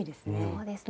そうですね。